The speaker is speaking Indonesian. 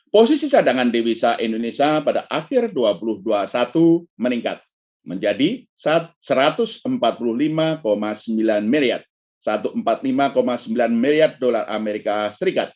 posisi cadangan dewi saha indonesia pada akhir dua ribu dua puluh satu meningkat menjadi satu ratus empat puluh lima sembilan miliar dolar as